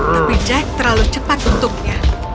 tapi jack terlalu cepat untuknya